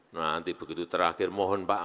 nanti begitu terakhir mohon pak